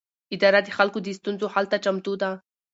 اداره د خلکو د ستونزو حل ته چمتو ده.